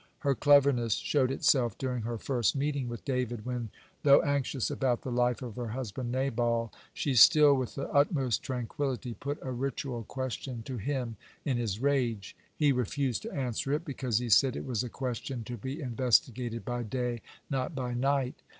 (136) Her cleverness showed itself during her first meeting with David, when, though anxious about the life of her husband Nabal, she still, with the utmost tranquility, put a ritual question to him in his rage. He refused to answer it, because, he said, it was a question to be investigated by day, not by night.